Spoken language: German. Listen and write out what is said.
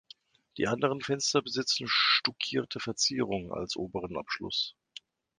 Die anderen Fenster besitzen stuckierte Verzierungen als oberen Abschluss.